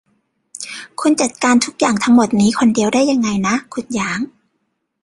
คุณจัดการทุกอย่างทั้งหมดนี้คนเดียวได้ยังไงนะ คุณหยาง